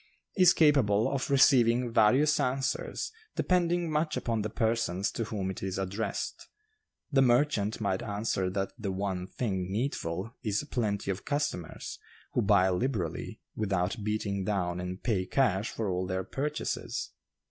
is capable of receiving various answers, depending much upon the persons to whom it is addressed. The merchant might answer that 'the one thing needful' is plenty of customers, who buy liberally, without beating down and pay cash for all their purchases.